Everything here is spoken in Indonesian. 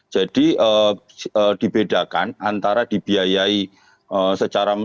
jadi dibedakan antara dibiayai secara